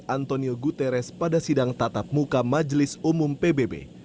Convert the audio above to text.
antonio guterres pada sidang tatap muka majelis umum pbb